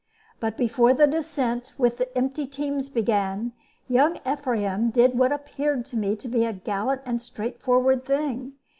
But before the descent with the empty teams began, young Ephraim did what appeared to me to be a gallant and straightforward thing.